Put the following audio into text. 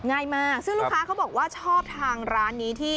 ง่ายมากซึ่งลูกค้าเขาบอกว่าชอบทานร้านนี้ที่